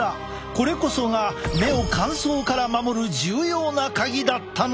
これこそが目を乾燥から守る重要なカギだったのだ。